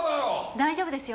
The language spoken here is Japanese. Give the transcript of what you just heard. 大丈夫ですよ。